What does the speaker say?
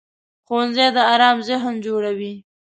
ښوونځی د ارام ذهن جوړوي